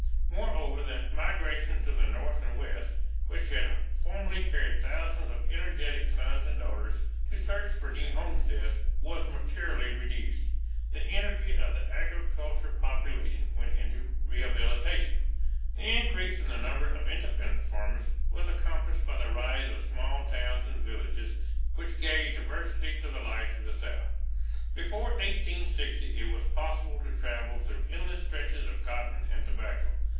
Moreover the migration to the North and West, which had formerly carried thousands of energetic sons and daughters to search for new homesteads, was materially reduced. The energy of the agricultural population went into rehabilitation. The increase in the number of independent farmers was accompanied by the rise of small towns and villages which gave diversity to the life of the South. Before 1860 it was possible to travel through endless stretches of cotton and tobacco.